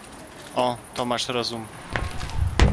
"O, to masz rozum!"